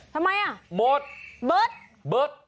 ทำไมอ่ะเบิร์ดเบิร์ด